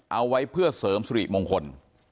เอาไว้เพื่อเสริมสุริมงคล